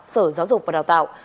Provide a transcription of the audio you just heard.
sở giáo dục và đào tạo